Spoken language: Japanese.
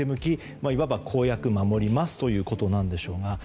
いわば公約守りますということなんでしょうが。